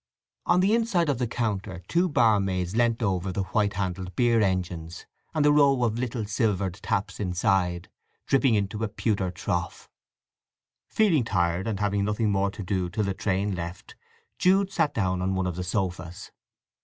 On the inside of the counter two barmaids leant over the white handled beer engines, and the row of little silvered taps inside, dripping into a pewter trough. Feeling tired, and having nothing more to do till the train left, Jude sat down on one of the sofas.